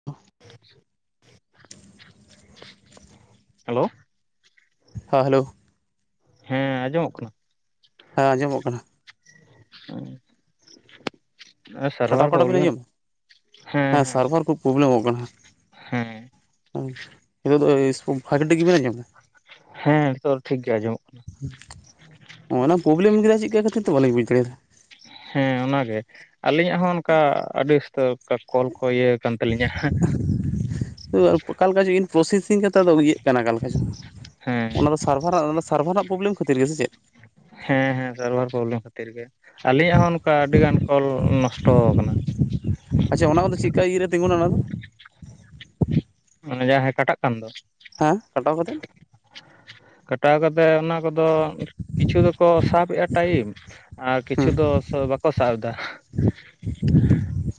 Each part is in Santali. [unintelligible] ᱦᱮᱞᱳ᱾ ᱦᱮᱸ ᱦᱮᱞᱳ᱾ ᱦᱮᱸ ᱟᱸᱡᱚᱢᱚᱜ ᱠᱟᱱᱟ? ᱦᱮᱸ, ᱟᱸᱡᱚᱢᱚᱜ ᱠᱟᱱᱟ᱾ ᱩᱸ᱾ ᱟᱨ ᱠᱟᱴᱟᱣ ᱥᱟᱨᱵᱷᱟᱨ ᱠᱟᱴᱟᱣ ᱵᱤᱱ ᱯᱨᱚᱵᱞᱮᱢ, ᱟᱸᱡᱚᱢᱟ ᱦᱮᱸ ᱦᱮᱸ᱾ ᱥᱟᱨᱵᱷᱟᱨ ᱠᱷᱩᱵ ᱯᱨᱚᱵᱞᱮᱢᱚᱜ ᱠᱟᱱᱟ, ᱦᱮᱸ ᱱᱤᱛᱚᱜ ᱫᱚ ᱥᱯᱳ ᱵᱷᱟᱜᱮ ᱴᱷᱤᱠ ᱵᱮᱱ ᱟᱡᱚᱢᱫᱟ? ᱦᱮᱸ, ᱱᱤᱛᱚᱜ ᱫᱚ ᱴᱷᱤᱠ ᱜᱮ ᱟᱸᱡᱚᱢᱚᱜ ᱠᱟᱱᱟ᱾ ᱚᱱᱟ ᱯᱨᱚᱵᱞᱮᱢ ᱠᱮᱫᱟᱭ ᱪᱮᱫ ᱞᱮᱠᱟ ᱠᱷᱟᱹᱛᱤᱨ ᱛᱮ ᱵᱟᱞᱤᱧ ᱵᱩᱡᱽ ᱫᱟᱲᱮᱭᱟᱫᱟ᱾ ᱦᱮᱸ ᱚᱱᱟᱜᱮ ᱟᱹᱞᱤᱧᱟᱜ ᱦᱚᱸ ᱚᱱᱠᱟ ᱟᱹᱰᱤ ᱩᱥᱛᱟᱹᱨ᱾ ᱠᱟ ᱠᱚᱞ ᱠᱚ ᱤᱭᱟᱹ ᱟᱠᱟᱱ ᱛᱟᱹᱞᱤᱧᱟ ᱦᱟᱸ᱾ ᱚᱠᱟᱞᱮᱠᱟ ᱪᱚ ᱤᱱ ᱯᱨᱚᱥᱮᱥᱤᱝ ᱠᱟᱛᱮ ᱟᱫᱚ ᱤᱭᱟᱹᱜ ᱠᱟᱱᱟ ᱚᱠᱟᱞᱮᱠᱟ ᱪᱚ ᱦᱮᱸ ᱚᱱᱟ ᱫᱚ ᱥᱟᱨᱵᱷᱟᱨᱟᱜ ᱚᱱᱟ ᱥᱟᱨᱵᱷᱟᱨᱟᱜ ᱯᱨᱚᱵᱞᱮᱢ ᱠᱷᱟᱹᱛᱤᱨ ᱜᱮᱥ ᱥᱮ ᱪᱮᱫ? ᱦᱮᱸ ᱦᱮᱸ ᱥᱟᱨᱵᱷᱟᱨ ᱯᱨᱚᱵᱞᱮᱢ ᱠᱷᱟᱹᱛᱤᱨ ᱜᱮ। ᱟᱞᱤᱧᱟᱜ ᱦᱚᱸ ᱚᱱᱠᱟ ᱟᱹᱰᱤᱜᱟᱱ ᱠᱚᱞ ᱱᱚᱥᱴᱚ ᱠᱟᱱᱟ। ᱟᱪᱪᱷᱟ ᱚᱱᱟ ᱠᱚᱫᱚ ᱪᱮᱫ ᱠᱟ, ᱤᱭᱟᱹ ᱨᱮ ᱛᱤᱜᱩᱱᱟ ᱚᱱᱟ ᱫᱚ? ᱚᱱᱮ ᱡᱟᱦᱟᱸᱭ ᱠᱟᱴᱟᱜ ᱠᱟᱱ ᱫᱚ? ᱦᱮᱸ ᱠᱟᱴᱟᱣ ᱠᱟᱛᱮᱫ ᱠᱟᱴᱟᱣ ᱠᱟᱛᱮ ᱚᱱᱟ ᱠᱚᱫᱚ ᱠᱤᱪᱷᱩ ᱫᱚᱠᱚ ᱥᱟᱵ ᱮᱫᱟ ᱴᱟᱭᱤᱢ, ᱟᱨ ᱦᱮᱸ ᱠᱤᱪᱷᱩ ᱫᱚ ᱥᱚ ᱵᱟ ᱠᱚ ᱥᱟᱣ ᱫᱟ᱾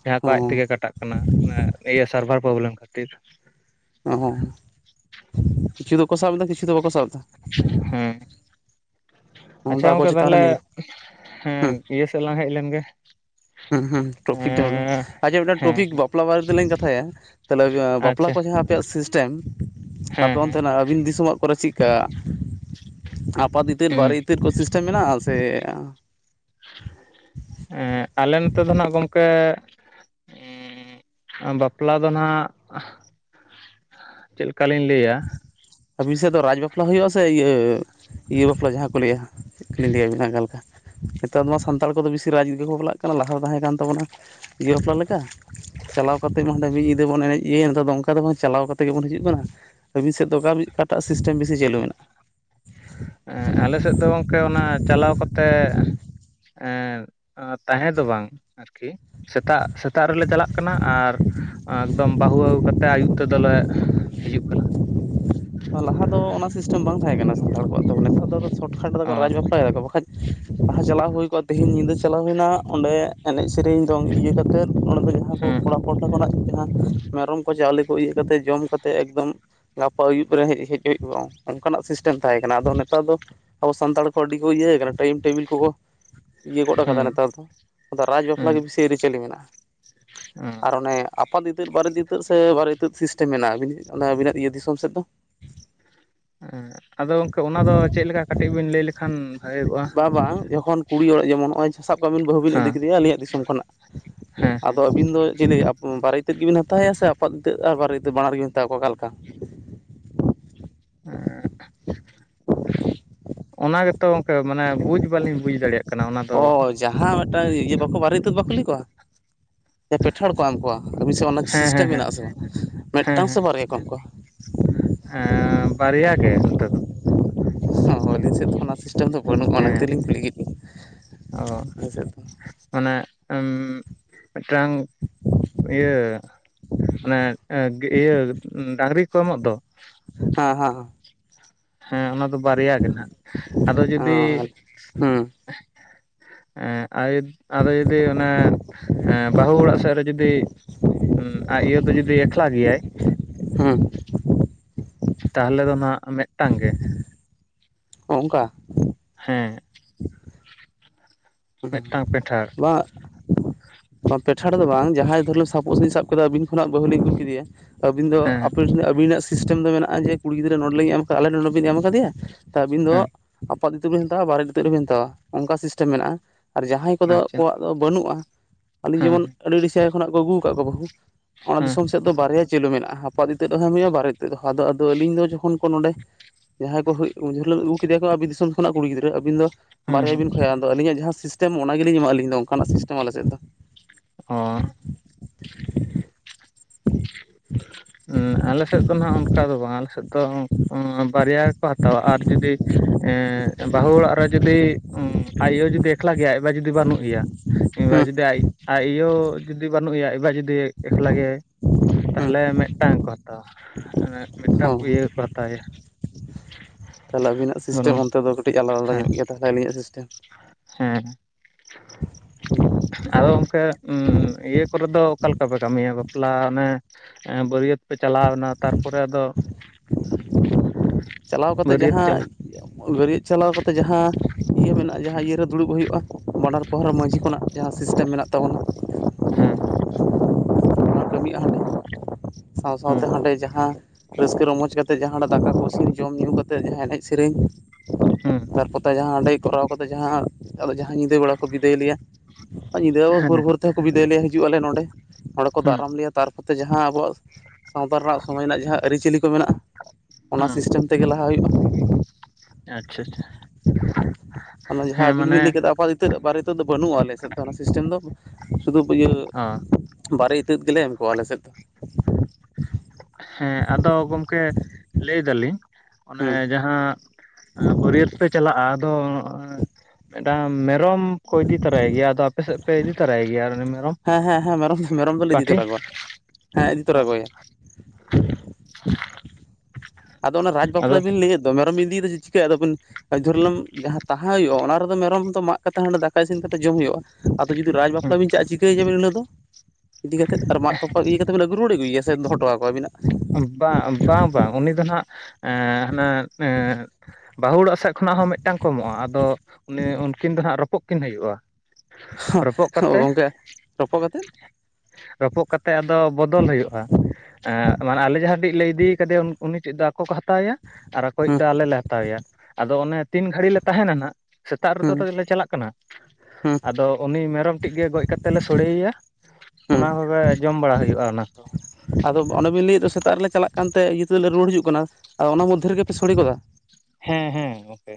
ᱡᱟᱦᱟᱸ ᱠᱚ ᱟᱡ ᱦᱚᱸ ᱛᱮᱜᱮ ᱠᱟᱴᱟᱜ ᱠᱟᱱᱟ, ᱚᱱᱟ ᱤᱭᱟᱹ ᱥᱟᱨᱵᱷᱟᱨ ᱯᱨᱚᱵᱞᱮᱢ ᱠᱷᱟᱹᱛᱤᱨ᱾ ᱚ ᱦᱚᱸ, ᱠᱤᱪᱷᱩ ᱫᱚᱠᱚ ᱥᱟᱵ ᱫᱟ, ᱠᱤᱪᱷᱩ ᱫᱚ ᱵᱟᱠᱚ ᱥᱟᱵ ᱫᱟ᱾ ᱦᱮᱸ ᱚᱱᱟ ᱫᱚ ᱟᱪᱪᱷᱟ ᱟᱠᱚ ᱜᱚᱝᱠᱮ ᱪᱮᱛᱟᱱ ᱨᱮ ᱛᱟᱦᱚᱞᱮ, ᱱᱤᱨᱵᱷᱚᱨ ᱦᱮᱸ ᱤᱭᱟᱹ ᱥᱮᱫ ᱞᱟᱝ ᱦᱮᱡ ᱞᱮᱱᱜᱮ᱾ ᱦᱮᱸ ᱦᱮᱸ ᱴᱚᱯᱤᱠ ᱛᱟᱦᱟᱞᱮ ᱮᱸ ᱟᱪᱪᱷᱟ, ᱢᱤᱫᱴᱟᱝ ᱦᱮᱸ ᱴᱚᱯᱤᱠ ᱵᱟᱯᱞᱟ ᱵᱟᱨᱮ ᱛᱮᱞᱤᱧ ᱠᱟᱛᱷᱟᱭᱟ? ᱛᱟᱦᱞᱮ ᱟᱪᱪᱷᱟ ᱵᱟᱯᱞᱟ ᱠᱚ ᱡᱟᱦᱟᱸ ᱟᱯᱮᱭᱟᱜ ᱥᱤᱥᱴᱮᱢ, ᱦᱮᱸ ᱟᱯᱮ ᱦᱮᱸ ᱚᱱᱛᱮᱱᱟᱜ? ᱟᱹᱵᱤᱱ ᱫᱤᱥᱚᱢᱟᱜ ᱠᱚᱨᱮ ᱪᱤᱠ ᱠᱟ, ᱟᱯᱟᱛ ᱤᱛᱟᱹ ᱵᱟᱨᱮ ᱤᱛᱟᱹ ᱠᱚ ᱥᱤᱥ ᱚᱱᱛᱮ ᱢᱮᱱᱟᱜ ᱟᱥᱮ? ᱮᱜᱸ ᱟᱞᱮ ᱱᱚᱛᱮ ᱫᱚ ᱱᱟᱜ ᱜᱚᱝᱠᱮ ᱩᱸ ᱵᱟᱯᱞᱟ ᱫᱚ ᱱᱟᱜ ᱪᱮᱫ ᱞᱮᱠᱟᱞᱤᱧ ᱞᱟᱹᱭᱟ᱾ ᱟᱹᱵᱤᱱ ᱥᱮᱫ ᱫᱚ ᱨᱟᱡᱽ ᱵᱟᱯᱞᱟ ᱦᱳᱭᱳᱜᱼᱟ, ᱥᱮ ᱤᱭᱟᱹ ᱤᱭᱟᱹ ᱵᱟᱯᱞᱟ ᱡᱟᱦᱟᱸ ᱠᱚ ᱞᱟᱹᱭᱟ? ᱪᱮᱫ ᱞᱤᱧ ᱞᱟ. ᱭ ᱟᱵᱤᱱᱟ ᱟᱠᱟ ᱞᱮᱠᱟ, ᱱᱮᱛᱟᱨ ᱢᱟ ᱥᱟᱱᱛᱟᱲ ᱠᱚᱫᱚ, ᱵᱮᱥᱤ ᱨᱟᱡᱽ ᱞᱮᱠᱟ ᱠᱚ ᱵᱟᱯᱞᱟᱜ ᱠᱟᱱᱟ᱾ ᱞᱟᱦᱟ ᱫᱚ ᱛᱟᱦᱮᱸ ᱠᱟᱱ ᱛᱟᱵᱚᱱᱟ ᱤᱭᱟᱹ ᱵᱟᱯᱞᱟ ᱞᱮᱠᱟ? ᱪᱟᱞᱟᱣ ᱠᱟᱛᱮ ᱢᱟ ᱦᱟᱸᱰᱮ ᱢᱤᱫ ᱧᱤᱫᱟᱹ ᱵᱚᱱ ᱮᱱᱮᱡ ᱤᱭᱟᱹ ᱮᱱ ᱱᱮᱛᱟᱨ ᱫᱚ, ᱚᱱᱠᱟ ᱫᱚ ᱵᱟᱝ ᱪᱟᱞᱟᱣ ᱠᱟᱛᱮ ᱜᱮᱵᱚᱱ ᱦᱤᱡᱩᱜ ᱠᱟᱱᱟ᱾ ᱟᱹᱵᱤᱱ ᱥᱮᱫ ᱫᱚ ᱚᱠᱟ ᱚᱠᱟᱴᱟᱜ, ᱥᱤᱥᱴᱮᱢ ᱵᱤᱥᱤ ᱪᱟᱹᱞᱩ ᱢᱮᱱᱟᱜᱼᱟ? ᱮᱸ ᱟᱞᱮ ᱥᱮᱫ ᱫᱚ ᱜᱚᱢᱠᱮ, ᱚᱱᱟ ᱪᱟᱞᱟᱣ ᱠᱟᱛᱮ ᱮ ᱛᱟᱦᱮᱸ ᱫᱚ ᱵᱟᱝ ᱟᱨᱠᱤ᱾ ᱥᱮᱛᱟᱜ ᱥᱮᱛᱟᱜ ᱨᱮᱞᱮ ᱪᱟᱞᱟᱜ ᱠᱟᱱᱟ, ᱟᱨ ᱮᱠᱫᱚᱢ ᱵᱟᱹᱦᱩ ᱟᱹᱜᱩ ᱠᱟᱛᱮᱫ ᱟᱹᱭᱩᱵᱽ ᱛᱮᱫᱚᱞᱮ ᱦᱤᱡᱩᱜ ᱠᱟᱱᱟ᱾ ᱞᱟᱦᱟ ᱫᱚ ᱚᱱᱟ ᱥᱤᱥᱴᱮᱢ ᱵᱟᱝ ᱛᱟᱦᱮᱸ ᱠᱟᱱᱟ, ᱥᱟᱱᱛᱟᱲ ᱠᱚᱣᱟᱜ ᱫᱚ ᱛᱚᱵᱮ ᱱᱮᱛᱟᱨ ᱫᱚ, ᱥᱚᱴᱠᱟᱴ ᱚ ᱫᱚᱠᱚ ᱨᱟᱡᱽ ᱵᱟᱯᱞᱟ ᱭᱮᱫᱟᱠᱚ᱾ ᱵᱟᱠᱷᱟᱡ ᱡᱟᱦᱟᱸ ᱪᱟᱞᱟᱣ ᱦᱩᱭ ᱠᱚᱜ-ᱟ, ᱛᱮᱦᱮᱧ ᱧᱤᱫᱟᱹ ᱪᱟᱞᱟᱣ ᱦᱩᱭᱱᱟ ᱚᱸᱰᱮ, ᱮᱱᱮᱡ ᱥᱮᱨᱮᱧ ᱫᱚᱝ ᱤᱭᱟᱹ ᱠᱟᱛᱮᱫ ᱚᱱᱚᱸᱰᱮ ᱫᱚ ᱡᱟᱦᱟᱸ ᱠᱚ ᱦᱮᱸ ᱠᱚᱲᱟ ᱠᱚᱫ ᱠᱷᱚᱱᱟᱜ ᱡᱟᱦᱟᱸ ᱢᱮᱨᱚᱢ ᱠᱚ ᱪᱟᱣᱞᱮ ᱠᱚ ᱤᱫᱤ ᱠᱟᱛᱮ ᱡᱚᱢ ᱠᱟᱛᱮ ᱮᱠᱫᱚᱢ, ᱜᱟᱯᱟ ᱟᱹᱭᱩᱵ ᱦᱮᱡ ᱦᱩᱭ ᱠᱚᱜ-ᱟ ᱚᱝᱠᱟᱱᱟᱜ ᱥᱤᱥᱴᱮᱢ ᱛᱟᱦᱮᱸ ᱠᱟᱱᱟ, ᱟᱫᱚ ᱱᱮᱛᱟᱨ ᱫᱚ ᱟᱵᱚ ᱥᱟᱱᱛᱟᱲ ᱠᱚ ᱟᱹᱰᱤ ᱠᱚ ᱤᱭᱟᱹ ᱠᱟᱱᱟ, ᱴᱟᱭᱤᱢ ᱴᱮᱵᱤᱞ ᱠᱚᱠᱚ ᱤᱭᱟᱹ ᱜᱚᱫ ᱟᱠᱟᱫᱟ ᱦᱮᱸ ᱱᱮᱛᱟᱨ ᱫᱚ, ᱟᱫᱚ ᱨᱟᱡᱽ ᱵᱟᱯᱞᱟ ᱦᱮᱸ ᱜᱮ ᱵᱮᱥᱤ ᱟᱹᱨᱤᱪᱟᱹᱞᱤ ᱢᱮᱱᱟᱜ-ᱟ᱾ ᱟᱨ ᱦᱮᱸ ᱚᱱᱮ ᱟᱯᱟᱛ ᱤᱛᱟᱹᱫ ᱵᱟᱨᱮᱛ ᱤᱛᱟᱹᱫ ᱥᱮ, ᱵᱟᱨᱮ ᱤᱛᱟᱹᱫ ᱥᱤᱥᱴᱮᱢ ᱢᱮᱱᱟᱜ-ᱟ, ᱟᱹᱵᱤᱱ ᱟᱵᱤᱱᱟᱜ ᱤᱭᱟᱹ ᱫᱤᱥᱚᱢ ᱥᱮᱫ ᱫᱚ? ᱦᱮᱸ ᱟᱫᱚ ᱜᱚᱝᱠᱮ ᱚᱱᱟ ᱫᱚ, ᱪᱮᱫ ᱞᱮᱠᱟ ᱠᱟᱹᱴᱤᱡ ᱵᱤᱱ ᱞᱟᱹᱭ ᱞᱮᱠᱷᱟᱱ, ᱵᱷᱟᱜᱮ ᱠᱚᱜ-ᱟ? ᱵᱟ ᱵᱟᱝ ᱡᱚᱠᱷᱚᱱ ᱠᱩᱲᱤ ᱚᱲᱟᱜ ᱡᱮᱢᱚᱱ ᱱᱚᱜ-ᱚᱭ ᱥᱟᱵ ᱠᱟᱜ ᱵᱤᱱ, ᱵᱟᱹᱦᱩ ᱵᱤᱱ ᱦᱮᱸ ᱤᱫᱤ ᱠᱮᱫᱮᱭᱟ ᱟᱹᱞᱤᱧᱟᱜ ᱫᱤᱥᱚᱢ ᱠᱷᱚᱱᱟᱜ ᱦᱮᱸ ᱟᱫᱚ ᱟᱹᱵᱤᱱ ᱫᱚ ᱪᱮᱞᱮ, ᱵᱟᱨᱮᱛ ᱤᱛᱟᱹᱫ ᱜᱮᱵᱮᱱ ᱦᱟᱛᱟᱣᱮᱭᱟ, ᱥᱮ ᱟᱯᱟᱛ ᱤᱛᱟᱹᱫ ᱟᱨ ᱵᱟᱨᱮ ᱤᱛᱟᱹᱫ ᱵᱟᱱᱟᱨ ᱜᱮᱵᱮᱱ ᱦᱟᱛᱟᱣ ᱠᱚᱣᱟ, ᱚᱠᱟ ᱞᱮᱠᱟ? ᱮᱸᱜ ᱚᱱᱟ ᱜᱮᱛᱚ ᱜᱚᱝᱠᱮ, ᱢᱟᱱᱮ ᱵᱩᱡ ᱵᱟᱞᱤᱧ ᱵᱩᱡ ᱫᱟᱲᱮᱭᱟᱜ ᱠᱟᱱᱟ ᱚᱱᱟ ᱫᱚ ᱚ ᱡᱟᱦᱟᱸ ᱢᱤᱫᱴᱟᱝ ᱤᱭᱟᱹ ᱵᱟᱠᱚ ᱵᱟᱨᱮ ᱤᱛᱟᱹᱫ ᱵᱟᱠᱚ ᱞᱟᱹᱭ ᱠᱚᱣᱟ, ᱥᱮ ᱯᱮᱴᱷᱟᱬ ᱠᱚ ᱮᱢ ᱠᱚᱣᱟ᱾ ᱟᱹᱵᱤᱱ ᱥᱮᱫ ᱚᱱᱟ ᱦᱮᱸ ᱥᱤᱥᱴᱮᱢ ᱦᱮᱸ ᱦᱮᱸ ᱢᱮᱱᱟᱜ ᱟᱥᱮ ᱵᱟᱝ, ᱢᱤᱫᱴᱟᱝ ᱥᱮ ᱵᱟᱨᱭᱟ ᱠᱚ ᱮᱢᱟ ᱠᱚᱣᱟ? ᱮ ᱵᱟᱨᱭᱟ ᱜᱮ ᱱᱚᱛᱮ ᱫᱚ᱾ ᱚ ᱟᱹᱞᱤᱧ ᱥᱮᱫ ᱫᱚ ᱚᱱᱟ ᱥᱤᱥᱴᱮᱢ ᱫᱚ ᱵᱟᱹᱱᱩᱜ-ᱟ, ᱚᱱᱟ ᱦᱮᱸ ᱛᱮᱞᱤᱧ ᱠᱩᱞᱤ ᱠᱮᱫ ᱵᱤᱱᱟ᱾ ᱚ--᱾ ᱟᱞᱮ ᱥᱮᱫ ᱫᱚ ᱚᱱᱮ ᱮᱢ ᱢᱤᱫᱴᱟᱝ ᱤᱭᱟᱹ ᱚᱱᱮ ᱤᱭᱟᱹ ᱰᱟᱝᱨᱤ ᱠᱚ ᱮᱢᱚᱜ ᱫᱚ᱾ ᱦᱮᱸ ᱦᱮᱸ ᱦᱮᱸ᱾ ᱦᱮᱸ ᱚᱱᱟ ᱫᱚ ᱵᱟᱨᱭᱟ ᱜᱮ ᱱᱟᱜ, ᱟᱫᱚ ᱡᱩᱫᱤ ᱦᱮᱸ ᱦᱮᱸ ᱦᱮᱸ ᱮᱸᱜ, ᱟᱫᱚ ᱡᱩᱫ, ᱟᱫᱚ ᱡᱩᱫᱤ ᱚᱱᱟ ᱮᱸ ᱵᱟᱹᱦᱩ ᱚᱲᱟᱜ ᱥᱮᱫ ᱨᱮ ᱡᱩᱫᱤ ᱦᱩᱸ ᱟᱡ ᱟᱭᱳ ᱫᱚ ᱡᱩᱫᱤ ᱮᱠᱷᱞᱟ ᱜᱮᱭᱟᱭ᱾ ᱦᱩᱸ᱾ ᱛᱟᱦᱞᱮ ᱫᱚ ᱦᱸᱟᱜ ᱢᱮᱫᱴᱟᱝ ᱜᱮ᱾ ᱚ, ᱚᱝᱠᱟ᱾ ᱦᱮᱸ᱾ ᱚ, ᱢᱤᱫᱴᱟᱝ ᱯᱮᱸᱴᱷᱟᱲ ᱵᱟ, ᱵᱟ ᱯᱮᱴᱷᱟᱬ ᱫᱚ ᱵᱟᱝ ᱡᱟᱦᱟᱸᱭ ᱫᱷᱚᱨᱮ ᱥᱟᱯᱳᱡᱤᱧ ᱥᱟᱵ ᱠᱮᱫᱟ ᱟᱹᱵᱤᱱ ᱠᱷᱚᱱᱟᱜ ᱵᱟᱹᱦᱩ ᱞᱤᱧ ᱟᱹᱜᱩ ᱠᱮᱫᱮᱭᱟ᱾ ᱟᱹᱵᱤᱱ ᱫᱚ ᱦᱮᱸ ᱟᱯᱮ ᱴᱷᱮᱱ ᱟᱹᱵᱤᱱᱟᱜ ᱥᱤᱥᱴᱮᱢ ᱫᱚ ᱢᱮᱱᱟᱜ-ᱟ ᱡᱮ ᱠᱩᱲᱤ ᱜᱤᱫᱽᱨᱟᱹ ᱱᱚᱰᱮᱞᱤᱧ ᱮᱢ ᱠᱟᱜ ᱟᱞᱮ ᱱᱚᱰᱮ ᱵᱤᱱ ᱮᱢ ᱠᱟᱫᱮᱭᱟ᱾ ᱛᱚ ᱟᱹᱵᱤᱱ ᱫᱚ ᱦᱮᱸ ᱟᱯᱟᱫ ᱤᱛᱟᱹᱫ ᱦᱚᱸ ᱵᱤᱱ ᱦᱟᱛᱟᱣᱟ ᱵᱟᱨᱮᱛ ᱤᱛᱟᱹᱫ ᱦᱚᱸ ᱵᱮᱱ ᱦᱟᱛᱟᱣᱟ, ᱚᱝᱠᱟ ᱥᱤᱥᱴᱮᱢ ᱢᱮᱱᱟᱜ-ᱟ᱾ ᱟᱨ ᱡᱟᱦᱟᱸᱭ ᱠᱚᱫᱚ ᱟᱪᱪᱷᱟ ᱟᱠᱚᱣᱟᱜ ᱫᱚ ᱵᱟᱹᱱᱩᱜ-ᱟ, ᱟᱹᱞᱤᱧ ᱦᱮᱸ ᱡᱮᱢᱚᱱ ᱟᱹᱰᱤ ᱟᱹᱰᱤ ᱥᱮᱫᱟᱭ ᱠᱷᱚᱱᱟᱜ ᱠᱚ ᱟᱹᱜᱩ ᱟᱠᱟᱜ ᱠᱚᱣᱟ ᱵᱟᱹᱦᱩ᱾ ᱚᱱᱟ ᱦᱮᱸ ᱦᱮᱸ ᱫᱤᱥᱚᱢ ᱥᱮᱫ᱾ ᱫᱚ ᱵᱟᱨᱭᱟ ᱪᱟᱹᱞᱩ ᱢᱮᱱᱟᱜ-ᱟ ᱟᱯᱟᱛ ᱤᱛᱟᱹᱫ ᱫᱚ ᱟᱹᱜᱩᱭᱟ ᱵᱟᱨᱮ ᱤᱛᱟᱹᱫ ᱦᱚᱸ ᱟᱫᱚ ᱟᱫᱚ ᱟᱞᱤᱧ ᱫᱚ ᱡᱚᱠᱷᱚᱱ ᱠᱚ ᱱᱚᱸᱰᱮ ᱡᱟᱦᱟᱸᱭ ᱵᱟᱹᱦᱩᱭ [unintelligible] ᱟᱹᱜᱩ ᱠᱮᱫᱮᱭᱟ ᱠᱚ ᱟᱵᱮᱱ ᱫᱤᱥᱚᱢ ᱠᱷᱚᱱᱟᱜ ᱠᱩᱲᱤ ᱜᱤᱫᱽᱨᱟᱹ ᱟᱹᱵᱤᱱ ᱫᱚ ᱦᱮᱸ ᱵᱟᱨᱭᱟ ᱵᱤᱱ ᱠᱷᱚᱭᱟ ᱟᱫᱚ ᱟᱹᱞᱤᱧᱟᱜ ᱡᱟᱦᱟᱸ ᱥᱤᱥᱴᱮᱢ ᱚᱱᱟ ᱜᱮᱞᱤᱧ ᱮᱢᱚᱜ-ᱟ ᱟᱹᱞᱤᱧ ᱫᱚ ᱚᱝᱠᱟᱱᱟᱜ ᱥᱤᱥᱴᱮᱢ ᱟᱞᱮ ᱥᱮᱫ ᱫᱚ᱾ ᱚ᱾ ᱦᱩᱸ ᱟᱞᱮ ᱥᱮᱫ ᱫᱚ ᱱᱟᱜ ᱚᱱᱠᱟ ᱫᱚ ᱵᱟᱝ᱾ ᱟᱞᱮ ᱥᱮᱫ ᱛᱚ, ᱵᱟᱨᱭᱟ ᱜᱮᱠᱚ ᱦᱟᱛᱟᱣᱟ ᱟᱨ ᱡᱩᱫᱤ ᱮᱸᱻ ᱵᱟᱹᱦᱩ ᱚᱲᱟᱜ ᱨᱮ ᱡᱩᱫᱤ, ᱩᱸ ᱟᱡ ᱟᱭᱳ ᱡᱩᱫᱤ ᱮᱠᱞᱟ ᱜᱮᱭᱟᱭ ᱟᱡᱵᱟ ᱡᱩᱫᱤ ᱵᱟᱹᱱᱩᱜ ᱮᱭᱟ ᱠᱤᱝᱵᱟ ᱦᱩᱸ ᱡᱩᱫᱤ ᱟᱡ, ᱟᱡ ᱟᱭᱳ ᱡᱩᱫᱤ ᱵᱟᱹᱱᱩᱜ ᱮᱭᱟ ᱟᱡᱵᱟ ᱡᱩᱫᱤ ᱜᱮ ᱮᱠᱞᱟ ᱜᱮᱭᱟᱭ ᱦᱩᱸ ᱛᱟᱦᱞᱮ ᱢᱮᱫᱴᱟᱝ ᱠᱚ ᱦᱟᱛᱟᱣᱟ, ᱮᱸ ᱢᱤᱫᱴᱟᱝ ᱦᱚᱸ ᱤᱭᱟᱹ ᱜᱮᱠᱚ ᱦᱟᱛᱟᱣᱮᱭᱟ᱾ ᱛᱟᱦᱞᱮ ᱟᱹᱵᱤᱱᱟᱜ ᱥᱤᱥᱴᱮᱢ ᱜᱚᱱᱚᱝ ᱚᱱᱛᱮ ᱫᱚ ᱠᱟᱹᱴᱤᱡ ᱟᱞᱟᱫᱟ ᱟᱞᱟᱫᱟ ᱦᱮᱸ ᱧᱚᱜ ᱜᱮᱭᱟ ᱛᱟᱦᱞᱮ ᱟᱹᱞᱤᱧᱟᱜ ᱥᱤᱥᱴᱮᱢ᱾ ᱦᱮᱸ᱾ [inaudible] ᱟᱫᱚ ᱜᱚᱝᱠᱮ ᱩᱸᱻ ᱤᱭᱟᱹ ᱠᱚᱨᱮ ᱫᱚ ᱚᱠᱟ ᱞᱮᱠᱟᱯᱮ ᱠᱟᱹᱢᱤᱭᱟ ᱵᱟᱯᱞᱟ ᱚᱱᱮ ᱦᱮᱸ ᱵᱟᱹᱨᱭᱟᱹᱛ ᱯᱮ ᱪᱟᱞᱟᱣᱱᱟ ᱛᱟᱨᱯᱚᱨᱮ ᱟᱫᱚ ᱪᱟᱞᱟᱣ ᱠᱟᱛᱮ ᱵᱟᱹᱨᱭᱟᱹᱛ ᱡᱟᱦᱟᱸ, ᱪᱟᱞᱟᱣ ᱵᱟᱹᱨᱭᱟᱹᱛ ᱪᱟᱞᱟᱣ ᱠᱟᱛᱮ ᱡᱟᱦᱟᱸ ᱤᱭᱟᱹ ᱢᱮᱱᱟᱜ-ᱟ ᱡᱟᱦᱟᱸ ᱤᱭᱟᱹᱨᱮ ᱫᱩᱲᱩᱵ ᱦᱩᱭᱩᱜ-ᱟ, ᱵᱟᱱᱟᱨ ᱯᱚᱦᱚᱨ ᱨᱮ ᱢᱟᱺᱡᱷᱤ ᱠᱷᱚᱱᱟᱜ ᱡᱟᱦᱟᱸ ᱥᱤᱥᱴᱮᱢ ᱢᱮᱱᱟᱜ ᱛᱟᱵᱚᱱᱟ᱾ ᱦᱮᱸ ᱦᱮᱸ᱾ ᱠᱟᱹᱢᱤᱭᱟᱜ ᱦᱚᱸ ᱥᱟᱶ ᱥᱟᱶᱛᱮ ᱦᱮᱸ ᱦᱟᱸᱰᱮ ᱡᱟᱦᱟᱸ ᱨᱟᱹᱥᱠᱟᱹ ᱨᱚᱢᱚᱡᱽ ᱠᱟᱛᱮᱫ ᱡᱟᱦᱟᱸ ᱫᱟᱠᱟ ᱠᱚ ᱤᱥᱤᱱ ᱡᱚᱢ-ᱧᱩ ᱠᱟᱛᱮ ᱡᱟᱦᱟᱸ ᱮᱱᱮᱡ ᱥᱮᱨᱮᱧ᱾ ᱦᱩᱸ᱾ ᱛᱟᱨᱯᱚᱨᱛᱮ ᱡᱟᱦᱟᱸ ᱦᱟᱸᱰᱮᱭ ᱠᱚᱨᱟᱣ ᱠᱟᱫᱟ ᱡᱟᱦᱟᱸ ᱟᱫᱚ ᱡᱟᱦᱟᱸ ᱧᱤᱫᱟᱹ ᱵᱮᱲᱟ ᱠᱚ ᱵᱤᱫᱟᱹᱭ ᱞᱮᱭᱟ᱾ ᱧᱤᱫᱟᱹ ᱦᱚᱸ ᱦᱮᱸ ᱵᱷᱳᱨ ᱵᱷᱳᱨ ᱛᱮᱦᱚᱸᱠᱚ ᱵᱤᱫᱟᱹᱭ ᱞᱮᱭᱟ ᱦᱤᱡᱩᱜ-ᱟᱞᱮ ᱱᱚᱸᱰᱮ, ᱟᱫᱚ ᱠᱚ ᱦᱮᱸ ᱫᱟᱨᱟᱢ ᱞᱮᱭᱟ ᱛᱟᱨ ᱯᱚᱛᱮ ᱡᱟᱦᱟᱸ ᱟᱵᱚᱣᱟᱜ ᱥᱟᱶᱛᱟ ᱨᱮᱱᱟᱜ ᱥᱚᱢᱟᱡᱽ ᱨᱮᱱᱟᱜ ᱡᱟᱦᱟᱸ ᱟᱹᱨᱤᱪᱟᱹᱞᱤ ᱠᱚ ᱢᱮᱱᱟᱜ-ᱟ ᱚᱱᱟ ᱦᱮᱸ ᱥᱤᱥᱴᱮᱢ᱾ ᱛᱮᱜᱮ ᱞᱟᱦᱟ ᱦᱩᱭᱩᱜ-ᱟ, ᱟᱪᱪᱷᱟ ᱟᱪᱪᱷᱟ ᱟᱨ ᱚᱱᱟ ᱡᱟᱦᱟᱸ ᱦᱮᱸ ᱟᱹᱵᱤᱱ ᱢᱟᱱᱮ ᱵᱤᱱ ᱞᱟᱹᱭ ᱠᱟᱫᱟ ᱟᱠᱚᱣᱟᱜ ᱛᱟᱹᱫ, ᱵᱟᱨᱮ ᱤᱛᱟᱹᱫ ᱫᱚ ᱵᱟᱹᱱᱩᱜ-ᱟ ᱟᱞᱮ ᱥᱮᱫ ᱫᱚ ᱚᱱᱟ ᱥᱤᱥᱴᱮᱢ ᱫᱚ ᱥᱩᱫᱷᱩ ᱤᱭᱟᱹ ᱚ ᱵᱟᱨᱮ ᱤᱛᱟᱹᱫ ᱜᱮᱞᱮ ᱮᱢ ᱠᱚᱣᱟ ᱟᱞᱮ ᱥᱮᱫ ᱫᱚ᱾ ᱦᱮᱸ, ᱟᱫᱚ ᱜᱚᱢᱠᱮ ᱞᱟᱹᱭ ᱫᱟᱞᱤᱧ᱾ ᱚᱱᱮ ᱦᱩᱸ ᱡᱟᱦᱟᱸ ᱵᱟᱹᱨᱭᱟᱹᱛ ᱯᱮ ᱪᱟᱞᱟᱜ-ᱟ ᱟᱫᱚ ᱢᱤᱫᱴᱟᱝ ᱢᱮᱨᱚᱢ ᱠᱚ ᱤᱫᱤ ᱛᱟᱨᱟᱭ ᱜᱮᱭᱟ ᱟᱫᱚ ᱟᱯᱮ ᱥᱮᱫ ᱯᱮ ᱤᱫᱤ ᱛᱚᱨᱟᱭ ᱜᱮᱭᱟ ᱟᱨ ᱩᱱᱤ ᱢᱮᱨᱚᱢ? ᱦᱮᱸ ᱦᱮᱸ ᱦᱮᱸ ᱢᱮᱨᱚᱢ ᱫᱚ ᱢᱮᱨᱚᱢ ᱫᱚᱞᱮ ᱤᱫᱤ ᱯᱟᱹᱴᱷᱤ ᱛᱚᱨᱟ ᱠᱚᱣᱟ ᱦᱮᱸ ᱤᱫᱤ ᱛᱚᱨᱟ ᱠᱚᱜᱮᱭᱟ ᱟᱫᱚ ᱚᱱᱟ ᱨᱟᱡᱽ ᱵᱟᱯᱞᱟ ᱟᱫᱚ ᱵᱤᱱ ᱞᱟᱹᱭᱮᱫ ᱫᱚ ᱢᱮᱨᱚᱢᱤ ᱤᱫᱤᱭᱮᱫᱚ ᱪᱤᱠᱟᱹᱭ ᱟᱫᱚᱵᱤᱱ [unintelligible] ᱡᱟᱦᱟᱸ ᱛᱟᱦᱟᱸ ᱦᱳᱭᱳᱜᱼᱟ, ᱚᱱᱟ ᱨᱮᱫᱚ ᱢᱮᱨᱚᱢ ᱫᱚ ᱢᱟᱜ ᱠᱟᱛᱮ ᱦᱟᱸᱰᱮ ᱫᱟᱠᱟ ᱤᱥᱤᱱ ᱠᱟᱛᱮᱫ ᱡᱚᱢ ᱦᱳᱭᱳᱜᱼᱟ ᱟᱫᱚ ᱡᱩᱫᱤ ᱨᱟᱡᱽ ᱵᱟᱯᱞᱟ ᱵᱤᱱ ᱪᱟᱼᱟ ᱪᱤᱠᱟᱹᱭᱟ ᱵᱤᱱ ᱤᱱ ᱦᱤᱞᱟᱹᱜ ᱫᱚ ᱤᱫᱤ ᱠᱟᱛᱮᱫ ᱟᱨ ᱢᱟᱜ ᱛᱚᱯᱟᱜ ᱤᱫᱤ ᱠᱟᱛᱮ ᱛᱮ ᱵᱮᱱ ᱟᱹᱜᱩ ᱨᱩᱭᱟᱹᱲ ᱟᱹᱜᱩᱭᱮᱭᱟ ᱥᱮ ᱫᱚᱦᱚ ᱴᱚ ᱠᱚᱣᱟ ᱵᱤᱱ ᱱᱟᱜ ᱵᱟᱝ ᱵᱟᱝ ᱵᱟᱝ ᱩᱱᱤ ᱫᱚ ᱱᱟᱜ ᱮᱸ [unintelligible] ᱴᱦᱟᱱᱟ ᱮᱸ ᱵᱟᱹᱦᱩ ᱚᱲᱟᱜ ᱥᱮᱫ ᱠᱷᱚᱱᱟᱜ ᱦᱚᱸ ᱢᱤᱫᱴᱟᱝ ᱠᱚ ᱮᱢᱚᱜᱼᱟ ᱟᱫᱚ ᱩᱱᱮ ᱩᱱᱠᱤᱱ ᱫᱚ ᱦᱟᱸᱜ ᱨᱚᱯᱩᱚᱜ ᱠᱤᱱ ᱦᱩᱭᱩᱜᱼᱟ ᱨᱚᱯᱚᱜ ᱠᱟᱛᱮ [unintelligible] ᱜᱚᱝᱠᱮ ᱨᱚᱯᱚᱜ ᱠᱟᱛᱮᱫ? ᱨᱚᱯᱚᱜ ᱠᱟᱛᱮᱜ ᱟᱫᱚ ᱵᱚᱫᱚᱞ ᱦᱩᱭᱩᱜᱼᱟ, ᱮᱸ ᱢᱟᱱᱮ ᱟᱞᱮ ᱡᱟᱦᱟᱸᱭᱴᱷᱤᱡ ᱞᱮ ᱤᱫᱤ ᱠᱟᱫᱮᱭᱟ ᱩᱱᱤᱴᱮᱡ ᱫᱚ ᱟᱠᱚ ᱠᱚ ᱦᱟᱛᱟᱣᱮᱭᱟ ᱟᱨ ᱟᱠᱚᱭᱤᱡ ᱦᱩᱸ ᱫᱚ ᱟᱞᱮ ᱞᱮ ᱦᱟᱛᱟᱣᱮᱭᱟ ᱟᱫᱚ ᱚᱱᱮ ᱛᱤᱱ ᱜᱷᱟᱹᱲᱤ ᱞᱮ ᱛᱟᱦᱮᱱᱟ ᱱᱟᱜ ᱥᱮᱛᱟᱜ ᱨᱮᱫᱚ ᱦᱩᱸ ᱛᱮᱞᱮ ᱪᱟᱞᱟᱜ ᱠᱟᱱᱟ, ᱦᱩᱸ ᱟᱫᱚ ᱩᱱᱤ ᱢᱮᱨᱚᱢ ᱴᱤᱡ ᱜᱮ ᱜᱚᱡ ᱠᱟᱛᱮ ᱞᱮ ᱥᱳᱚᱲᱮᱭᱮᱭᱟ ᱦᱩᱸ ᱚᱱᱟ ᱠᱚᱜᱮ ᱡᱚᱢ ᱵᱟᱲᱟ ᱦᱩᱭᱩᱜᱼᱟ ᱚᱱᱟ ᱠᱚ ᱟᱫᱚ ᱚᱱᱮ ᱵᱮᱱ ᱞᱟᱹᱭᱮᱫ ᱫᱚ ᱥᱮᱛᱟᱜ ᱨᱮᱞᱮ ᱪᱟᱞᱟᱜ ᱠᱟᱱᱟ ᱛᱮ ᱤᱭᱟᱹ ᱛᱮᱞᱮ ᱨᱩᱣᱟᱹᱲ ᱦᱤᱡᱩᱜ ᱠᱟᱱᱟ, ᱟᱫᱚ ᱚᱱᱟ ᱢᱚᱫᱽᱫᱷᱮ ᱨᱮᱜᱮᱯᱮ ᱥᱨᱲᱮ ᱜᱚᱫᱟ? ᱦᱮᱸ ᱦᱮᱸᱜᱚᱝᱠᱮ,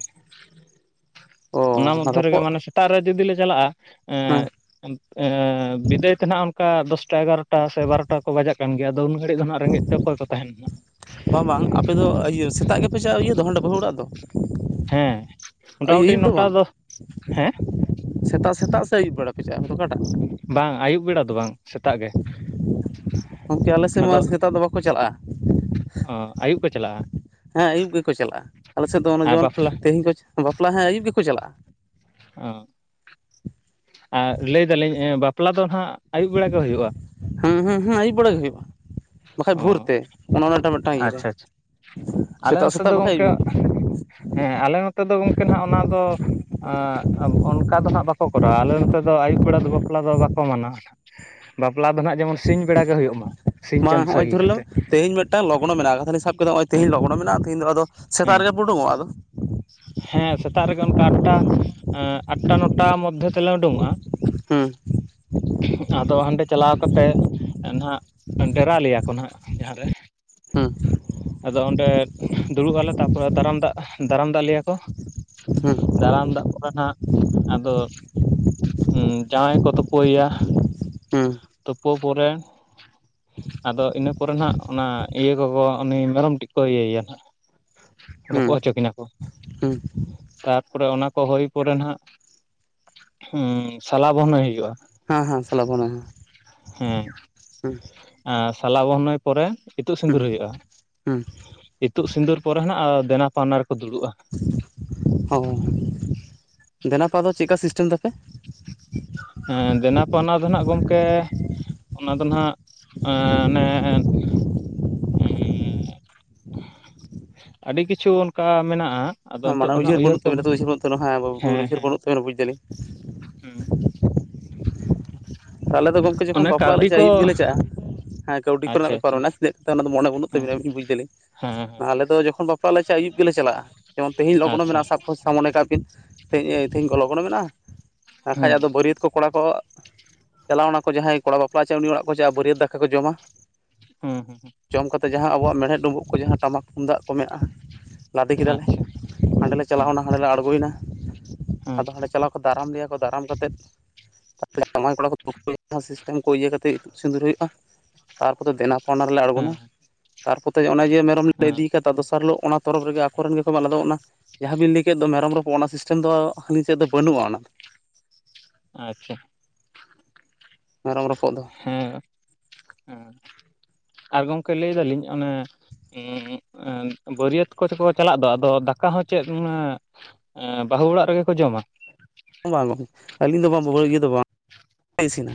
ᱚ ᱚᱱᱟ ᱢᱚᱫᱽᱫᱷᱮ ᱨᱮᱜᱮ ᱨᱚᱯᱚᱜ ᱢᱟᱱᱮ [unintelligible] ᱨᱮ ᱡᱩᱫᱤ ᱞᱮ ᱪᱟᱞᱟᱜᱼᱟ ᱦᱮᱸ ᱮᱸ ᱮᱸ ᱵᱤᱫᱟᱹᱭ ᱛᱮ ᱱᱟᱜ ᱚᱱᱠᱟ ᱫᱚᱥᱴᱟ ᱮᱜᱟᱨᱚᱴᱟ ᱥᱮ ᱵᱟᱨᱚᱴᱟ ᱠᱚ ᱵᱟᱡᱟᱜ ᱠᱟᱱ ᱜᱮᱭᱟ ᱟᱫᱚ ᱩᱱ ᱜᱷᱟᱹᱲᱤᱡ ᱫᱚ ᱱᱟᱜ ᱨᱮᱸᱜᱮᱡ ᱛᱮ ᱚᱠᱚᱭ ᱠᱚ ᱛᱟᱦᱮᱱ [unintelligible] ᱵᱟᱝ ᱵᱟᱝ ᱟᱯᱮ ᱫᱚ ᱤᱭᱟᱹ ᱥᱮᱛᱟᱜ ᱜᱮᱯᱮ ᱪᱟᱜᱼᱟ ᱤᱭᱟᱹ ᱫᱚ ᱦᱟᱸᱰᱮ ᱵᱟᱹᱦᱩ ᱚᱲᱟᱜ ᱫᱚ? ᱦᱮᱸ ᱢᱚᱴᱟ ᱟᱹᱭᱩᱵ ᱢᱩᱴᱤ ᱟᱹᱭᱩᱵ ᱱᱚᱴᱟ ᱵᱟᱝ ᱫᱚ ᱦᱮᱸ ᱥᱮᱛᱟᱜ ᱥᱮᱛᱟᱜ ᱥᱮ ᱟᱹᱭᱩᱵ ᱵᱮᱲᱟ ᱯᱮ ᱪᱟᱜᱼᱟ ᱚᱠᱟᱴᱟᱜ? ᱵᱟᱝ ᱟᱭᱩᱵ ᱵᱮᱲᱟ ᱫᱚ ᱵᱟᱝ ᱥᱮᱛᱟᱜ ᱜᱮ ᱜᱚᱝᱠᱮ ᱟᱞᱮ ᱥᱮᱫ ᱢᱟ ᱟᱫᱚ ᱥᱮᱛᱟᱜ ᱫᱚ ᱵᱟᱠᱚ ᱪᱟᱞᱟᱜᱼᱟ ᱚ ᱟᱭᱩᱵ ᱠᱚ ᱪᱟᱞᱟᱜᱼᱟ ᱦᱮᱸ ᱟᱹᱭᱩᱵ ᱜᱮᱠᱚ ᱪᱟᱞᱟᱜᱼᱟ ᱟᱞᱮ ᱥᱮᱫ ᱫᱚ ᱚᱱᱮ ᱟᱨ ᱡᱮᱢᱚᱱ ᱵᱟᱯᱞᱟ ᱛᱮᱦᱤᱧ ᱠᱚ, ᱵᱟᱯᱞᱟ ᱦᱮᱸ ᱟᱹᱭᱩᱵ ᱜᱮᱠᱚ ᱪᱟᱞᱟᱜᱼᱟ ᱚ ᱟᱨ ᱞᱟᱹᱭ ᱫᱟᱞᱤᱧ ᱵᱟᱯᱞᱟ ᱫᱚ ᱱᱟᱸᱜ ᱟᱭᱩᱵ ᱵᱮᱲᱟ ᱜᱮ ᱦᱩᱭᱩᱜᱼᱟ? ᱦᱮᱸ ᱦᱮᱸ ᱦᱮᱸ ᱟᱹᱭᱩᱵ ᱵᱮᱲᱟ ᱜᱮ ᱦᱩᱭᱩᱜᱼᱟ, ᱵᱟᱠᱷᱟᱡ ᱚ ᱵᱷᱳᱨ ᱛᱮ ᱚᱱᱮ ᱚᱱᱟᱴᱟᱝ ᱢᱤᱫᱴᱟᱱ ᱤᱭᱟᱹᱨᱮ ᱟᱪᱪᱷᱟ ᱟᱪᱪᱷᱟ ᱟᱞᱮ ᱥᱮᱛᱟᱜ ᱱᱚᱛᱮ ᱥᱮᱛᱟᱜ ᱫᱚ ᱵᱟᱠᱷᱷᱟᱡ ᱜᱚᱢᱠᱮ [inaudible] ᱦᱮᱸ ᱟᱞᱮ ᱱᱚᱛᱮ ᱫᱚ ᱜᱚᱝᱠᱮ ᱱᱟᱦᱟᱸᱜ ᱚᱱᱟ ᱫᱚ ᱟᱸ ᱚᱱᱠᱟ ᱫᱚ ᱱᱟᱸᱜ ᱵᱟᱠᱚ ᱠᱚᱨᱟᱣᱟ ᱟᱞᱮ ᱱᱚᱛᱮ ᱫᱚ ᱟᱭᱩᱵ ᱵᱮᱲᱟ ᱫᱚ ᱵᱟᱯᱞᱟ ᱫᱚ ᱵᱟᱠᱚ ᱢᱟᱱᱟᱣᱟᱜ ᱵᱟᱯᱞᱟ ᱫᱚ ᱱᱟᱜ ᱡᱮᱢᱚᱱ ᱥᱤᱧ ᱵᱮᱲᱟ ᱜᱮ ᱦᱩᱭᱩᱜ ᱢᱟ ᱥᱤᱧ ᱢᱟ ᱪᱟᱸᱫᱳ ᱦᱚᱸᱜᱼᱚᱭ ᱥᱟᱹᱜᱤ ᱫᱷᱚᱨᱞᱢ ᱠᱟᱛᱮᱫ ᱛᱮᱦᱮᱧ ᱢᱮᱫ ᱢᱤᱫᱴᱟᱝ ᱞᱚᱜᱱᱚ ᱢᱮᱱᱟᱜᱼᱟ ᱠᱟᱛᱷᱟ ᱞᱤᱞ ᱥᱟᱵ ᱠᱮᱫᱟ ᱛᱮᱦᱮᱧ ᱞᱚᱜᱱᱚ ᱢᱮᱱᱟᱜᱼᱟ ᱛᱮᱦᱮᱧ ᱫᱚ ᱟᱫᱚ ᱥᱮᱛᱟᱜ ᱦᱮᱸ ᱨᱮᱜᱮ ᱩᱰᱸᱩᱚᱜᱼᱟ ᱟᱫᱚ? ᱦᱮᱸ ᱥᱮᱛᱟᱜ ᱨᱮᱜᱮ ᱚᱱᱠᱟ ᱟᱴᱴᱟ ᱮᱸ ᱟᱴᱴᱟ ᱱᱚᱴᱟ ᱢᱚᱫᱽᱫᱷᱮ ᱛᱮᱞᱮ ᱳᱰᱝᱚᱜᱼᱟ ᱦᱩᱸ ᱟᱫᱚ ᱦᱟᱸᱰᱮ ᱪᱟᱞᱟᱣ ᱠᱟᱛᱮ ᱮᱱ ᱱᱟᱦᱟᱸᱜ ᱰᱮᱨᱟ ᱞᱮᱭᱟ ᱠᱚ ᱱᱟᱦᱟᱸᱜ ᱡᱟᱦᱟᱸ ᱨᱮ ᱦᱩᱸ ᱟᱫᱚ ᱚᱸᱰᱮ ᱫᱩᱲᱩᱜ ᱟᱞᱮ ᱛᱟᱯᱚᱨ ᱫᱟᱨᱟᱢ ᱫᱟᱜ ᱫᱟᱨᱟᱢ ᱫᱟᱜ ᱞᱮᱭᱟ ᱠᱚ, ᱫᱟᱨᱟᱢ ᱫᱟᱜ [unintelligible] ᱱᱟᱦᱟᱸᱜ ᱟᱫᱚ ᱡᱟᱣᱟᱭ ᱠᱚ ᱛᱳᱯᱳᱭᱟ, ᱛᱳᱯᱳ ᱯᱚᱨᱮ ᱟᱫᱚ ᱤᱱᱟᱹ ᱯᱚᱨᱮ ᱱᱟᱜ ᱚᱱᱟ ᱤᱭᱟᱹ ᱠᱚ ᱠᱚ ᱩᱱᱤ ᱢᱮᱨᱚᱢ ᱴᱤᱡ ᱠᱚ ᱤᱭᱟᱹᱭ ᱮᱭᱟ ᱱᱟᱦᱟᱸᱜ [unintelligible] ᱨᱚᱯᱚᱜ ᱦᱚᱪᱚ ᱠᱤᱱᱟᱠᱚ ᱦᱮᱸ ᱛᱟᱨᱯᱚᱨᱮ ᱚᱱᱟ ᱠᱚ ᱦᱳᱭ ᱯᱚᱨᱮ ᱱᱟᱦᱟᱜ ᱥᱟᱞᱟ ᱵᱚᱱᱟᱹᱭ ᱦᱩᱭᱩᱜᱼᱟ᱾ ᱦᱮᱸ ᱦᱮᱸ ᱥᱟᱞᱟᱜ ᱵᱚᱱ ᱦᱮᱸ ᱦᱮᱸ ᱦᱮᱸ ᱥᱟᱞᱟ ᱵᱚᱱᱟᱹᱭᱼᱼ ᱯᱚᱨᱮ ᱤᱛᱩᱫ ᱥᱤᱸᱫᱩᱨ ᱦᱩᱭᱩᱜᱼᱟ᱾ ᱤᱛᱩᱜ ᱥᱤᱸᱫᱩᱨ ᱯᱚᱨᱮ ᱱᱟᱜ ᱟᱨ ᱫᱮᱱᱟ ᱯᱟᱣᱱᱟ ᱨᱮᱠᱚ ᱫᱩᱲᱩᱵᱼᱟ᱾ ᱚ ᱫᱮᱱᱟᱯᱟ ᱫᱚ ᱪᱮᱜᱠᱟ ᱥᱤᱥᱴᱮᱢ ᱛᱟᱯᱮ? ᱦᱮᱸ ᱫᱮᱱᱟ ᱯᱟᱣᱱᱟ ᱫᱚ ᱱᱟᱜ ᱜᱚᱢᱠᱮᱼᱼ ᱚᱱᱟ ᱫᱚ ᱱᱦᱜ ᱚᱱᱮ ᱮᱸᱻ ᱟᱹᱰᱤ ᱠᱤᱪᱷᱩ ᱚᱱᱠᱟ ᱢᱮᱱᱟᱜᱼᱟ᱾ ᱟᱫᱚ ᱦᱮᱸ ᱢᱟᱱᱮ ᱱᱤᱛᱚᱜ ᱫᱚ ᱱᱟᱦᱟᱜ ᱩᱭᱦᱟᱹᱨ ᱵᱟᱹᱱᱩᱜ ᱠᱚ ᱛᱟᱵᱮᱱᱟ ᱛᱚ ᱩᱭᱟᱹᱨ ᱵᱟᱹᱱᱩᱜ ᱛᱟᱵᱮᱱᱟ ᱩᱭᱦᱟᱹᱨ ᱵᱟᱹᱱᱩᱜ ᱛᱟᱵᱮᱱᱟ ᱵᱩᱡᱽ ᱫᱟᱞᱤᱧ᱾ ᱦᱩᱸ ᱟᱞᱮ ᱫᱚ ᱜᱚᱝᱠᱮ ᱡᱚᱠᱷᱚᱱ ᱚᱱᱮ ᱵᱟᱯᱞᱟᱜ ᱞᱮ ᱠᱟᱹᱣᱰᱤ ᱪᱟᱜᱼᱟ ᱟᱹᱭᱩᱵ ᱠᱚ ᱜᱮᱞᱮ ᱪᱟᱜᱼᱟ᱾ ᱦᱮᱸ ᱠᱟᱹᱣᱰᱤ ᱠᱚᱨᱮᱱᱟᱜ ᱟᱪᱪᱷᱟ ᱵᱮᱯᱟᱨ ᱟᱪᱪᱷᱟ ᱢᱮᱱᱟᱜᱼᱟ ᱪᱮᱫᱠᱟ ᱚᱱᱟ ᱫᱚ ᱢᱚᱱᱮ ᱵᱟᱹᱱᱩᱜ ᱦᱮᱸ ᱛᱟᱹᱵᱤᱱᱟ ᱵᱩᱡ ᱫᱟᱞᱤᱧ᱾ ᱦᱮᱸ ᱦᱮᱸ ᱟᱞᱮ ᱫᱚ ᱡᱚᱠᱷᱚᱱ ᱵᱟᱯᱞᱟ ᱞᱮ ᱪᱟᱜᱟ ᱟᱹᱭᱩᱵ ᱜᱮᱞᱮ ᱪᱟᱞᱟᱜᱼᱟ᱾ ᱡᱮᱢᱚᱱ ᱛᱮᱦᱤᱧ ᱞᱚᱜᱽᱱᱚ ᱟᱪᱪᱷᱟ ᱢᱮᱱᱟᱜᱼᱟ ᱥᱟᱵ ᱠᱚ ᱥᱟᱢᱚᱱᱮ ᱠᱟᱜ ᱵᱤᱱ ᱛᱮᱦᱤᱧ ᱠᱚ ᱞᱚᱜᱱᱚ ᱢᱮᱱᱟᱜᱼᱟ᱾ ᱵᱟᱠᱷᱟᱡ ᱦᱩᱸ ᱟᱫᱚ ᱵᱟᱹᱨᱭᱟᱹᱛ ᱠᱚ ᱠᱚᱲᱟ ᱠᱚᱼᱼ ᱪᱟᱞᱟᱣ ᱱᱟᱠᱚ ᱡᱟᱦᱟᱸᱭ ᱠᱚᱲᱟ ᱵᱟᱯᱞᱟᱜ ᱮ ᱪᱟᱜᱼᱟ ᱩᱱᱤ ᱚᱲᱟᱜ ᱠᱚ ᱪᱟᱜᱼᱟ ᱵᱟᱹᱨᱭᱟᱹᱛ ᱫᱟᱠᱟ ᱠᱚ ᱡᱚᱢᱟ᱾ ᱦᱮᱸ ᱦᱮᱸ ᱦᱮᱸ ᱡᱚᱢ ᱠᱟᱛᱮ ᱡᱟᱦᱟᱸ ᱟᱵᱚᱣᱟᱜ ᱢᱮᱬᱦᱮᱫ ᱰᱩᱸᱵᱩᱜ ᱠᱚ ᱡᱟᱦᱟᱸ ᱴᱟᱢᱟᱠ ᱛᱩᱢᱫᱟᱜ ᱠᱚ ᱢᱮᱱᱟᱜᱼᱟ ᱞᱟᱫᱮ ᱠᱮᱫᱟᱞᱮ ᱟᱪᱪᱷᱟ ᱦᱟᱸᱰᱮ ᱞᱮ ᱦᱮᱸ ᱪᱟᱞᱟᱣᱱᱟ ᱦᱟᱸᱰᱮ ᱞᱮ ᱟᱬᱜᱚᱭᱮᱱᱟ ᱦᱮᱸ ᱟᱫᱚ ᱦᱟᱸᱰᱮ ᱪᱟᱞᱟᱣ ᱠᱚ ᱫᱟᱨᱟᱢ ᱞᱮᱭᱟ ᱠᱚ ᱫᱟᱨᱟᱢ ᱠᱟᱛᱮᱜᱼᱼ ᱛᱮ ᱡᱟᱶᱟᱭ ᱠᱚᱲᱟ ᱠᱚ [inaudible] ᱥᱤᱥᱴᱮᱢ ᱠᱚ ᱤᱭᱟᱹ ᱠᱟᱛᱮ ᱤᱛᱩᱫ ᱥᱤᱸᱫᱩᱨ ᱦᱩᱭᱩᱜᱼᱟ ᱛᱟᱨᱯᱚᱨᱮ ᱫᱮᱱᱟᱼᱼ ᱚᱱᱟ ᱨᱮᱞᱮ ᱦᱮᱸ ᱟᱬᱜᱚᱱᱟ ᱛᱟᱨᱯᱚᱛᱮ ᱚᱱᱮ ᱡᱮ ᱢᱮᱨᱚᱢ ᱞᱮ ᱦᱮᱸ ᱤᱫᱤᱠᱟᱫᱟ ᱫᱚᱥᱟᱨ ᱦᱤᱞᱳᱜ ᱚᱱᱟ ᱛᱚᱨᱚᱯᱷ ᱨᱮᱜᱮ ᱟᱠᱚᱨᱮᱱᱼᱼ ᱟᱫᱚ ᱚᱱᱟ ᱡᱟᱦᱟᱸ ᱵᱤᱱ ᱞᱟᱹᱭ ᱠᱮᱫ ᱫᱚ ᱢᱮᱨᱚᱢ ᱨᱚᱯᱚᱫᱽ ᱚᱱᱟ ᱥᱤᱥᱴᱮᱢ ᱫᱚ ᱱᱤᱛᱟᱹᱜ ᱫᱚ ᱵᱟᱹᱱᱩᱜᱼᱟ ᱚᱱᱟᱼᱼ ᱟᱪᱪᱷᱟ᱾ ᱢᱮᱨᱚᱢ ᱨᱚᱯᱚᱜ ᱫᱚ ᱦᱮᱸ ᱦᱮᱸ ᱟᱨ ᱜᱚᱝᱠᱮ ᱞᱟᱹᱭ ᱫᱟᱹᱞᱤᱧ ᱚᱱᱮᱼᱼ ᱵᱟᱹᱨᱭᱟᱹᱛ ᱠᱚᱛᱮ ᱠᱚ ᱪᱟᱞᱟᱜ ᱫᱚ ᱟᱫᱚ ᱫᱟᱠᱟ ᱦᱚᱸ ᱪᱮᱫ ᱦᱮᱸ ᱵᱟᱹᱦᱩ ᱚᱲᱟᱜ ᱨᱮᱜᱮ ᱠᱚ ᱡᱚᱢᱟ? ᱵᱟᱝ ᱵᱟᱝ ᱟᱹᱞᱤᱧ ᱫᱚ ᱵᱟᱝ ᱵᱟᱦᱩ ᱞᱟᱹᱜᱤᱛ ᱫᱚ ᱵᱟᱝᱞᱮ ᱤᱥᱤᱱᱟ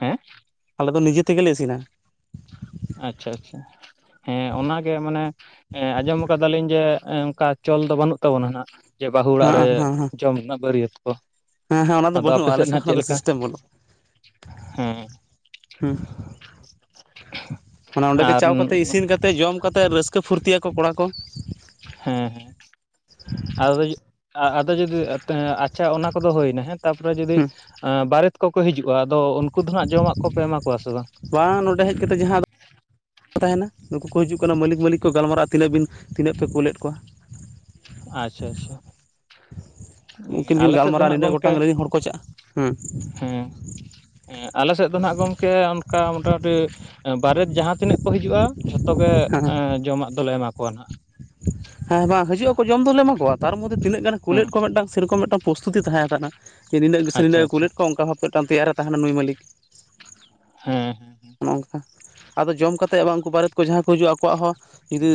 ᱦᱮᱸ? ᱟᱞᱮ ᱫᱚ ᱱᱤᱡᱮ ᱛᱮᱜᱮᱞᱮ ᱤᱥᱤᱱᱟ᱾ ᱟᱪᱪᱷᱟ ᱟᱪᱪᱷᱟ ᱦᱮᱸ ᱚᱱᱟ ᱜᱮ ᱢᱟᱱᱮᱼᱼ ᱟᱸᱡᱚᱢ ᱠᱟᱫᱟᱞᱤᱧ ᱡᱮ ᱚᱱᱠᱟ ᱪᱚᱞ ᱫᱚ ᱵᱟᱹᱱᱩᱜ ᱛᱟᱵᱚᱱᱟ ᱱᱟᱸᱜ᱾ ᱡᱮ ᱵᱟᱹᱦᱩ ᱚᱲᱟᱜ ᱦᱮᱸ ᱨᱮ ᱦᱮᱸ ᱦᱮᱸ ᱡᱚᱢ ᱨᱮᱱᱟᱜ ᱵᱟᱹᱨᱭᱟᱹᱛᱼᱼ ᱦᱮᱸ ᱦᱮᱸ ᱚᱱᱟ ᱫᱚ ᱵᱟᱹᱱᱩᱜᱼᱟ ᱟᱞᱮ ᱥᱮᱫ ᱠᱷᱚᱱᱟᱜ ᱫᱚ ᱞᱮᱠᱟ ᱥᱤᱥᱴᱮᱢ ᱵᱟᱹᱱᱩᱜᱼᱟ᱾ ᱦᱮᱸ ᱦᱩᱸ ᱢᱟᱱᱮ ᱚᱸᱰᱮ ᱜᱮ ᱟᱨ ᱪᱟ ᱠᱟᱛᱮ ᱤᱥᱤᱱ ᱠᱟᱛᱮᱼᱼ ᱛᱮ ᱡᱚᱢ ᱠᱟᱛᱮᱫ ᱨᱟᱹᱥᱠᱟᱹ ᱯᱷᱩᱨᱛᱤᱭᱟᱠᱚ ᱠᱚᱲᱟ ᱠᱚ ᱦᱮᱸ ᱦᱮᱸ ᱟᱫᱚ ᱟᱫᱚ ᱡᱩᱫᱤ ᱟᱪᱪᱷᱟ ᱚᱱᱟ ᱠᱚᱫᱚ ᱦᱳᱭᱮᱱᱟ ᱦᱮᱸ ᱛᱟᱯᱚᱨᱮ ᱡᱩᱫᱤ ᱦᱮᱸ ᱵᱟᱨᱮᱛ ᱠᱚ ᱠᱚ ᱦᱤᱡᱩᱜᱼᱟ ᱟᱫᱚ ᱩᱱᱠᱩ ᱫᱚ ᱦᱟᱸᱜ ᱡᱚᱢᱟᱜ ᱠᱚᱯᱮ ᱮᱢᱟ ᱠᱚᱣᱟ ᱥᱮ ᱵᱟᱝ? ᱵᱟᱝ ᱱᱚᱸᱰᱮ ᱦᱮᱡ ᱠᱟᱛᱮ ᱡᱟᱦᱟᱸ ᱫᱚᱼᱼ ᱛᱟᱦᱮᱱᱟ ᱱᱩᱠᱩ ᱠᱚ ᱦᱤᱡᱩᱜ ᱠᱟᱱᱟ ᱢᱟᱹᱞᱤᱠ ᱢᱟᱹᱤᱠ ᱠᱚ ᱜᱟᱞᱟᱨᱟᱜᱼᱟ ᱛᱤᱱᱟᱹᱜ ᱵᱤᱱ ᱛᱤᱱᱟᱹᱜ ᱯᱮ ᱠᱩᱞᱮᱫ ᱠᱚᱣᱟ᱾ ᱟᱪᱪᱷᱟ, ᱟᱪᱪᱷᱟ ᱩᱱᱠᱤᱱ ᱠᱤᱱ ᱟᱞᱮ ᱥᱮᱫ ᱫᱚ ᱜᱟᱞᱢᱟᱨᱟᱼᱟ ᱱᱟᱜ ᱟᱨ ᱜᱚᱢᱠᱮ ᱜᱚᱴᱟᱝ ᱨᱤᱱ ᱦᱚᱲ ᱠᱚ ᱪᱟᱞᱼᱟ ᱦᱮᱸ ᱦᱮᱸ ᱦᱮᱸ ᱟᱞᱮ ᱥᱮᱫ ᱫᱚ ᱱᱟᱜ ᱜᱚᱢᱠᱮ ᱚᱱᱠᱟ ᱢᱚᱴᱟᱢᱩᱴᱤ᱾ ᱵᱟᱨᱮᱛ ᱡᱟᱦᱟᱸ ᱛᱤᱱᱟᱹᱜ ᱠᱚ ᱦᱤᱡᱩᱜᱼᱟ ᱡᱷᱚᱛᱚ ᱜᱮ ᱦᱮᱸ ᱡᱚᱢᱟᱜ ᱫᱚᱞᱮ ᱮᱢᱟ ᱠᱚᱣᱟ ᱱᱷᱟᱜ ᱾ ᱦᱮᱸ ᱵᱟᱝ ᱦᱤᱡᱩᱜᱼᱟᱠᱚ ᱡᱚᱢ ᱫᱚᱞᱮ ᱮᱢᱟ ᱠᱚᱣᱟ ᱛᱟᱨᱯᱚᱨᱮ ᱛᱤᱱᱟᱹᱜ ᱜᱟᱱ ᱦᱮᱸ ᱠᱩᱞᱮᱫ ᱠᱚᱣᱟ ᱢᱤᱫᱴᱟᱱ ᱥᱮᱨᱚᱠᱚᱢ ᱢᱤᱫᱴᱟᱹᱝ ᱯᱨᱚᱥᱛᱩᱩᱛᱤ ᱛᱟᱦᱮᱸ ᱠᱟᱱᱟ ᱡᱮ ᱱᱤᱱᱟᱹᱜ ᱜᱮ ᱥᱮ ᱟᱪᱪᱷᱟ ᱱᱤᱱᱟᱹᱜ ᱮ ᱠᱩᱞ ᱟᱪᱪᱷᱟ ᱞᱮᱫ ᱠᱚᱣᱟ ᱚᱱᱠᱟ ᱵᱷᱟᱵᱛᱮ ᱢᱤᱫᱴᱟᱹᱝ ᱛᱮᱭᱟᱨᱮ ᱛᱟᱦᱮᱱᱟ ᱱᱩᱭ ᱢᱟᱹᱞᱤᱠ ᱾ ᱦᱮᱸ ᱾ ᱚᱱᱚ ᱚᱝᱠᱟ ᱟᱫᱚ ᱡᱚᱢ ᱠᱟᱛᱮᱫ ᱟᱵᱟᱨ ᱩᱱᱠᱩ ᱵᱟᱨᱮᱛ ᱠᱚ ᱡᱟᱦᱟᱸ ᱠᱚ ᱦᱤᱡᱩᱜᱼᱟ ᱟᱠᱚᱣᱟᱜ ᱦᱚᱸ ᱡᱩᱫᱤ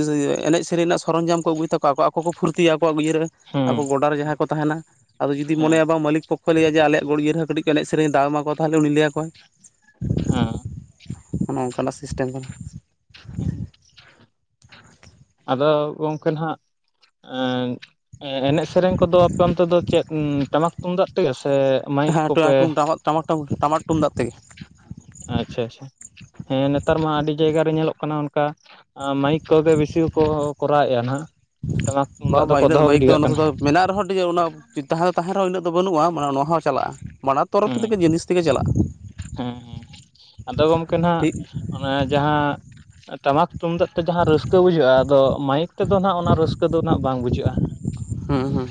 ᱮᱱᱮᱡ ᱥᱮᱨᱮᱧ ᱨᱮᱱᱟᱜ ᱥᱚᱨᱚᱧᱡᱟᱢ ᱠᱚ ᱟᱹᱜᱩᱭ ᱛᱟᱠᱚᱣᱟ ᱟᱠᱚ ᱠᱚ ᱯᱷᱩᱨᱛᱤᱭᱟ ᱟᱠᱚᱣᱟᱜ ᱤᱭᱟᱹ ᱨᱮ ᱦᱮᱸ ᱟᱠᱚ ᱜᱚᱰᱟ ᱨᱮ ᱡᱟᱦᱟᱸᱭ ᱠᱚ ᱛᱟᱦᱮᱱᱟ ᱾ ᱟᱫᱚ ᱡᱩᱫᱤ ᱦᱮᱸ ᱢᱚᱱᱮᱭᱟ ᱵᱟᱝ ᱢᱟᱹᱞᱤᱠ ᱯᱚᱠᱷᱚᱭ ᱞᱟᱹᱭᱟ ᱡᱮ ᱟᱞᱮᱭᱟᱜ ᱜᱩᱲᱤᱭᱟᱹ ᱨᱮᱦᱚ ᱠᱟᱹᱴᱤᱡ ᱠᱚ ᱮᱱᱮᱡ ᱥᱮᱨᱮᱧ ᱫᱟᱣ ᱮᱢᱟᱠᱚᱣᱟ ᱛᱟᱦᱚᱞᱮ ᱩᱱᱤ ᱞᱟᱹᱭ ᱟᱠᱚᱣᱟ ᱾ ᱦᱮᱸ ᱾ ᱚᱱᱮ ᱚᱱᱠᱟᱱᱟᱜ ᱥᱤᱥᱴᱮᱢ ᱠᱟᱱᱟ ᱾ ᱦᱮᱸ ᱟᱫᱚ ᱜᱚᱝᱠᱮ ᱱᱷᱟᱜ ᱮᱸᱻ ᱮᱱᱮᱡ ᱥᱮᱨᱮᱧ ᱠᱚᱫᱚ ᱟᱯᱮ ᱚᱱᱛᱮ ᱫᱚ ᱪᱮᱫ ᱴᱟᱢᱟᱠ ᱛᱩᱢᱫᱟᱜ ᱛᱮᱜᱮ ᱥᱮ ᱢᱟᱭᱤᱠ ᱦᱮᱸ ᱠᱚᱯᱮ ᱴᱩ ᱴᱟᱢᱟ ᱴᱟᱢᱟᱠ ᱴᱟᱢᱟᱠ ᱴᱩᱢᱫᱟᱜ ᱛᱮᱜᱮ ᱾ ᱟᱪᱪᱷᱟ ᱟᱪᱪᱷᱟ ᱦᱮᱸ ᱱᱮᱛᱟᱨ ᱢᱟ ᱟᱹᱰᱤ ᱡᱟᱭᱜᱟ ᱨᱮ ᱧᱮᱞᱚᱜ ᱠᱟᱱᱟ ᱚᱱᱠᱟ ᱾ ᱮ ᱢᱟᱭᱤᱠ ᱠᱚᱜᱮ ᱵᱤᱥᱤ ᱠᱚᱠᱚ ᱠᱚᱨᱟᱣᱮᱫᱼᱟ ᱱᱷᱟᱜ ᱴᱟᱢᱟᱠ ᱵᱟᱝ ᱛᱩᱢᱫᱟᱜ ᱵᱟᱝ ᱫᱚᱠᱚ ᱤᱱᱟᱹᱜ ᱫᱚ ᱫᱚᱦᱚ ᱢᱟᱹᱭᱤᱠ ᱜᱤᱰᱤ ᱫᱚ ᱠᱟᱜ ᱱᱚᱛᱮ ᱠᱟᱱᱟ ᱾ ᱫᱚ ᱢᱮᱱᱟᱜ ᱨᱮᱦᱚᱸ ᱴᱷᱤᱠᱮ ᱚᱱᱟ ᱡᱩᱫᱤ ᱡᱟᱦᱟᱸ ᱛᱟᱦᱮᱸᱱ ᱨᱮᱦᱚᱸ ᱤᱱᱟᱹᱜ ᱫᱚ ᱵᱟᱹᱱᱩᱜᱼᱟ ᱢᱟᱱᱮ ᱱᱚᱣᱟ ᱦᱚᱸ ᱪᱟᱞᱟᱜᱼᱟ ᱵᱟᱱᱟᱨ ᱛᱚᱨᱚᱯᱷ ᱦᱮᱸ ᱛᱮᱜᱮ ᱡᱤᱱᱤᱥ ᱛᱮᱜᱮ ᱪᱟᱞᱟᱜᱼᱟ ᱾ ᱦᱮᱸ ᱦᱮᱸ ᱟᱫᱚ ᱜᱚᱢᱠᱮ ᱱᱷᱟᱜ ᱴᱷᱤᱠ ᱚᱱᱮ ᱡᱟᱦᱟᱸ ᱴᱟᱢᱟᱠ ᱛᱩᱢᱫᱟᱹᱜ ᱛᱮ ᱡᱟᱦᱟᱸ ᱨᱟᱹᱥᱠᱟᱹ ᱵᱩᱡᱷᱟᱹᱜᱼᱟ ᱟᱫᱚ ᱢᱟᱭᱤᱠ ᱛᱮᱫᱚ ᱦᱟᱸᱜ ᱚᱱᱟ ᱨᱟᱹᱥᱠᱟᱹ ᱫᱚ ᱱᱷᱟᱜ ᱵᱟᱝ ᱵᱩᱡᱷᱟᱹᱜᱼᱟ ᱾ [inaudible] ᱦᱚᱸ ᱦᱚᱸ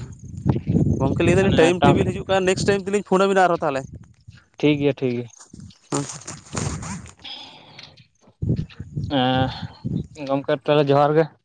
ᱜᱚᱢᱠᱮ ᱞᱟᱹᱭ ᱫᱟᱞᱤᱧ ᱚᱱᱮ ᱴᱟᱭᱤᱢ ᱴᱮᱵᱤᱞ ᱦᱤᱡᱩᱜ ᱠᱟᱱᱟ ᱱᱮᱠᱥᱴ ᱴᱟᱭᱤᱢ ᱛᱮᱞᱤᱧ ᱯᱷᱳᱱ ᱟᱹᱵᱤᱱᱟ ᱟᱨᱦᱚᱸ ᱛᱟᱦᱚᱞᱮ ᱾ ᱴᱷᱤᱠ ᱜᱮᱭᱟ ᱴᱷᱤᱠ ᱜᱮᱭᱟ ᱾ ᱦᱩᱸ ᱾ ᱦᱮᱸ ᱜᱚᱝᱠᱮ ᱛᱟᱦᱞᱮ ᱡᱚᱦᱟᱨ ᱜᱮ ᱾